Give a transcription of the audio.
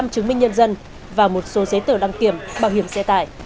một mươi năm chứng minh nhân dân và một số giấy tờ đăng kiểm bảo hiểm xe tải